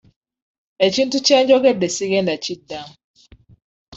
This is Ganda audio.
Ekintu kye njogedde sigenda kukiddamu.